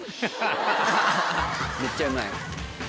めっちゃうまい。